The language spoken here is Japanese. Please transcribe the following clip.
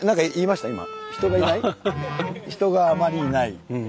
「人があまりいない」？